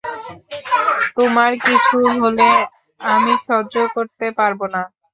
তোমার কিছু হলে আমি সহ্য করতে পারব না।